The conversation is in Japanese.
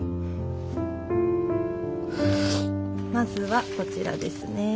まずはこちらですね。